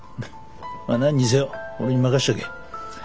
まあ何にせよ俺に任しとけ。